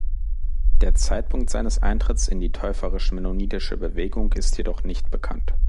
Der Zeitpunkt seines Eintritts in die täuferisch-mennonitische Bewegung ist jedoch nicht bekannt.